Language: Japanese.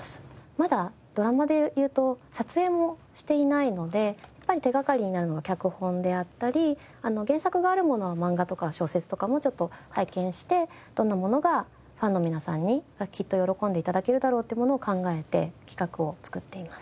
まだドラマでいうと撮影もしていないのでやっぱり手掛かりになるのが脚本であったり原作があるものは漫画とか小説とかも拝見してどんなものがファンの皆さんにきっと喜んで頂けるだろう？っていうものを考えて企画を作っています。